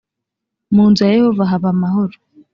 mu nzu ya yehova haba amahoro